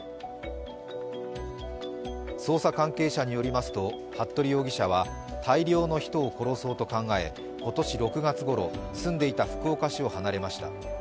捜査関係者によりますと、服部容疑者は大量の人を殺そうと考え今年６月ごろ、住んでいた福岡市を離れました。